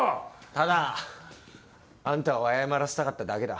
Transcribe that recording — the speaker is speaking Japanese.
ただあんたを謝らせたかっただけだ。